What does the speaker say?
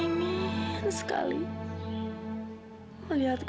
boleh boleh aja tapi elders enter